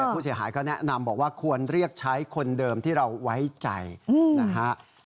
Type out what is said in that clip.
ผู้เสียหายก็แนะนำบอกว่าควรเรียกใช้คนเดิมที่เราไว้ใจนะฮะ